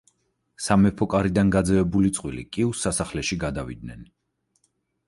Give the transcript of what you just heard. სამეფო კარიდან გაძევებული წყვილი კიუს სასახლეში გადავიდნენ.